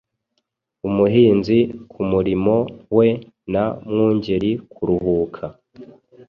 Umuhinzi kumurimo we na Mwungeri kuruhuka.